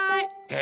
え！